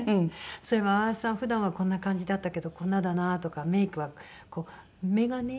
そういえば淡谷さん普段はこんな感じだったけどこんなだなとかメイクはこう「目がね